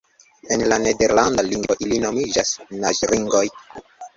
En la nederlanda lingvo ili nomiĝas naĝringoj.